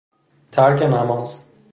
ترک نماز